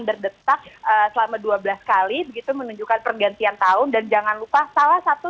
berdetak selama dua belas kali begitu menunjukkan pergantian tahun dan jangan lupa salah satu